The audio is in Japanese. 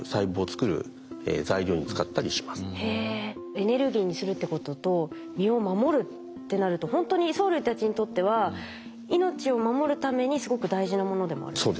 エネルギーにするってことと身を守るってなるとほんとに藻類たちにとっては命を守るためにすごく大事なものでもあるんですね。